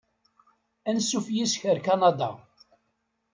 Ansuf yis-k ar Kanada!